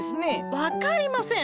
分かりません！